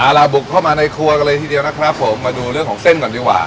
เอาล่ะบุกเข้ามาในครัวกันเลยทีเดียวนะครับผมมาดูเรื่องของเส้นก่อนดีกว่า